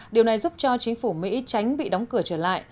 điều này giúp cho chính phủ mỹ tránh bị đóng cửa trở lại